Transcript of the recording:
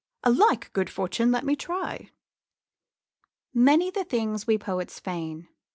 'A like good fortune let me try.' Many the things we poets feign.